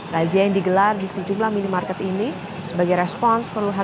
razia yang digelar di sejumlah minimarket ini sebagai respons perusahaan